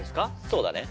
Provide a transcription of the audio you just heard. そうだね。